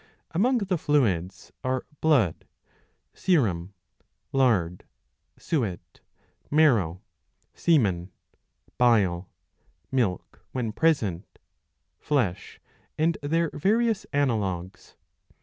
Among the fluids ' are blood, serum, lard, suet, marrow, semen, bile, milk when present, flesh, and their various analogues.